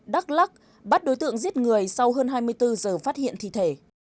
đắk lắc bắt đối tượng giết người sau hơn hai mươi bốn giờ phát hiện thi thể